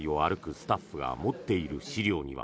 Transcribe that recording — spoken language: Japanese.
スタッフが持っている資料には